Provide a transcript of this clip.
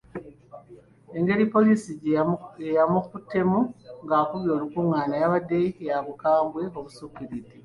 Engeri poliisi gye yamukuttemu ng’akubye olukung’aana yabadde ya bukambwe obusukkiridde.